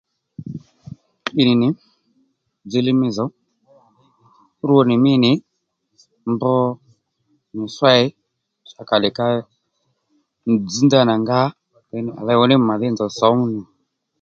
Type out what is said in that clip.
Ddìnì dziylíy mí zòw rwo nì mí nì mb nì ssêy à kà tdè ka dzž ndanà nga à léy ò ní màdhí nzòw sǒmú nì